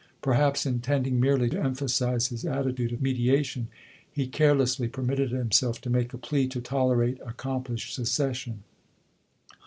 Perhaps intend Ipeech, mg merely to emphasize his attitude oi mediation, "Giobe," he carelessly permitted himself to make a plea to i462. tolerate accomplished secession.